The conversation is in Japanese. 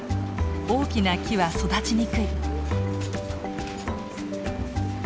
大きな木は育ちにくい。